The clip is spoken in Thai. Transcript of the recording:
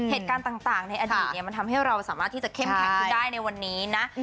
เหตุการณ์ต่างในอดีตมันทำให้เราสามารถที่จะเข้มแข็งขึ้นได้ในวันนี้นะ